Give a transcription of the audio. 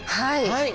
はい。